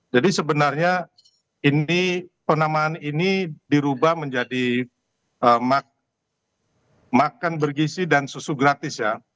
jadi sebenarnya ini penamaan ini dirubah menjadi makan bergizi dan susu gratis ya